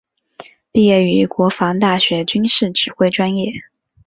毕业于国防大学军事指挥专业。